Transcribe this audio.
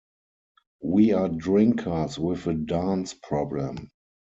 We are drinkers with a dance problem.